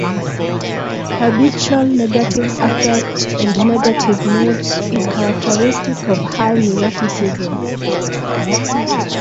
Habitual negative affect and negative mood is characteristic of high neuroticism.